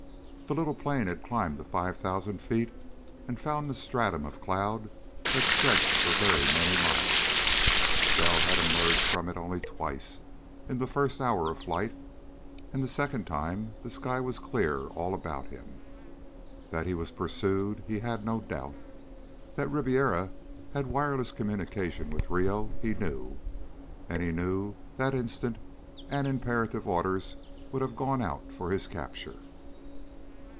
The little plane had climbed to five thousand feet and found a stratum of cloud that stretched for very many miles. Bell had emerged from it only twice in the first hour of flight, and the second time the sky was clear all about him. That he was pursued, he had no doubt. That Ribiera had wireless communications with Rio, he knew. And he knew that instant, and imperative orders would have gone out for his capture.